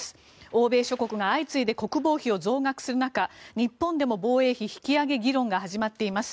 欧米諸国が相次いで国防費を増額する中日本でも防衛費引き上げ議論が始まっています。